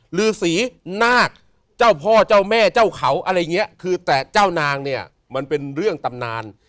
หรือสีนาคเจ้าพ่อเจ้าแม่เจ้าเขาอะไรอย่างเงี้ยคือแต่เจ้านางเนี่ยมันเป็นเรื่องตำนาน